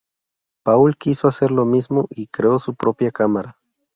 Paul quiso hacer lo mismo y creó su propia cámara.